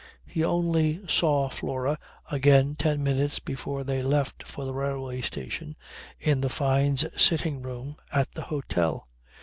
He only saw Flora again ten minutes before they left for the railway station, in the Fynes' sitting room at the hotel.